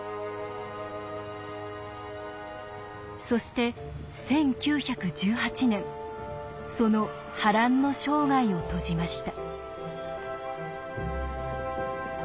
そして１９１８年その波乱の生涯を閉じました。